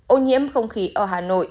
ô nhiễm không khí ở hà nội